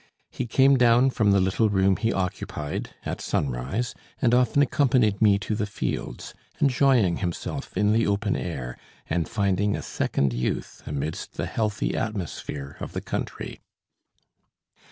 He came down from the little room he occupied at sunrise, and often accompanied me to the fields, enjoying himself in the open air, and finding a second youth amidst the healthy atmosphere of the country.